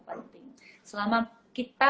penting selama kita